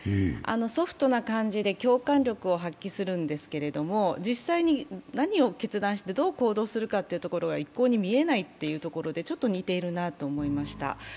ソフトな感じで共感力を発揮するんですけれども、実際に何を決断して、どう行動するかといったところが一向に見えないというところでちょっと似てるなと思いました。